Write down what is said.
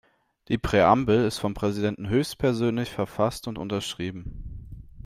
Die Präambel ist vom Präsidenten höchstpersönlich verfasst und unterschrieben.